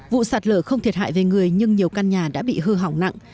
vụ sạt lở không thiệt hại về người nhưng nhiều căn nhà đã bị hư hỏng nặng